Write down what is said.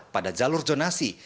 pada jalur zonasi